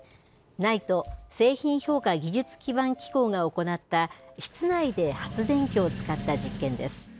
ＮＩＴＥ・製品評価技術基盤機構が行った、室内で発電機を使った実験です。